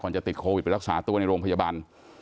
จะติดโควิดไปรักษาตัวในโรงพยาบาล